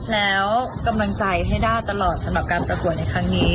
แล้วกำลังใจให้ด้าตลอดสำหรับการประกวดในครั้งนี้